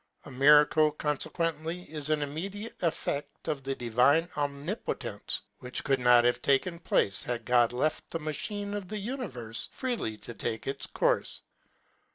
A miracle, confequently, is an immediate effect of the divine Omnipotence, which could not have taken place, had God left the machine of the univerfe freely to take it's courfe.